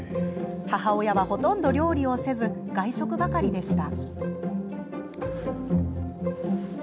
母親は、ほとんど料理をせず外食ばかりでした。